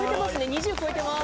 ２０超えてます。